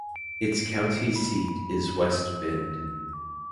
Its county seat is West Bend.